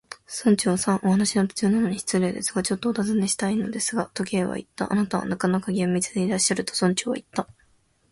「村長さん、お話の途中なのに失礼ですが、ちょっとおたずねしたいのですが」と、Ｋ はいった。「あなたはなかなか厳密でいらっしゃる」と、村長はいった。